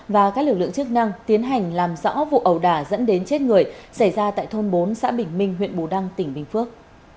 và các lực lượng chức năng tiến hành làm rõ vụ ẩu đả dẫn đến chết người xảy ra tại thôn bốn xã bình minh huyện bù đăng tỉnh bình phước